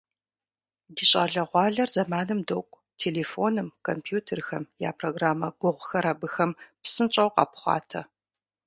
Ди щӏалэгъуалэр зэманым докӏу - телефоным, компьютерхэм я программэ гугъухэр абыхэм псынщӏэу къапхъуатэ.